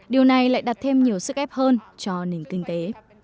điều này lại đặt thêm nhiều sức ép hơn cho nền kinh tế